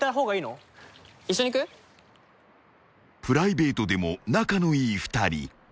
［プライベートでも仲のいい２人］